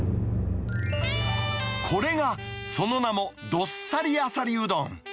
これが、その名も、どっさりあさりうどん。